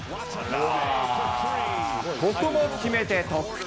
ここも決めて得点。